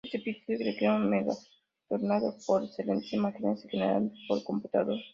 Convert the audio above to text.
Este episodio recrea un mega-tornado con excelentes imágenes generadas por computador.